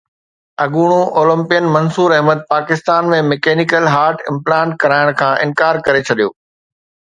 اڳوڻو Olympian Mansoor Ahmed Pakistan ۾ mechanical heart implant ڪرائڻ کان انڪار ڪري ڇڏيو